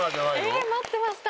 ええ待ってました